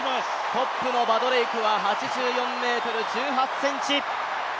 トップのバドレイクは８４ｍ１８ｃｍ。